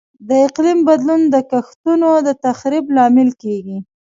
د اقلیم بدلون د کښتونو د تخریب لامل کیږي.